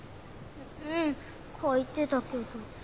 うん描いてたけど。